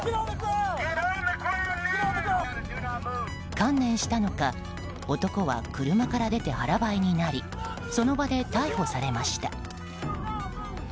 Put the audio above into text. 観念したのか男は車から出て、腹ばいになりその場で逮捕されました。